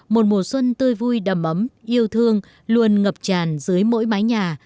một mùa xuân tươi vui đầm ấm yêu thương luôn ngập tràn dưới mỗi mái nhà